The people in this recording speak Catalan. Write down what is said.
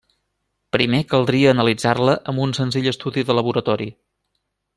Primer caldria analitzar-la amb un senzill estudi de laboratori.